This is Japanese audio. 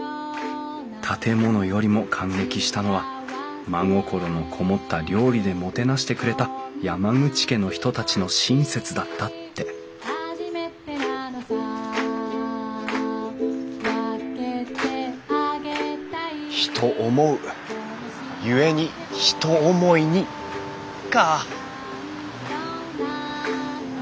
「建物よりも感激したのは真心のこもった料理でもてなしてくれた山口家の人たちの親切だった」って人思う故に“ひと”思いにか。